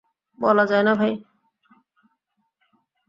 বলা যায় না ভাই।